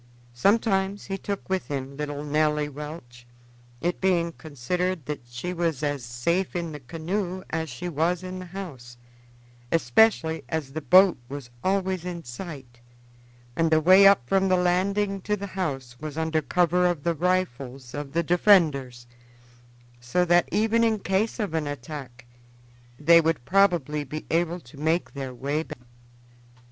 Sometimes he took with him little Nelly Welch; it being considered that she was as safe in the canoe as she was in the house, especially as the boat was always in sight, and the way up from the landing to the house was under cover of the rifles of the defenders; so that, even in case of an attack, they would probably be able to make their way back.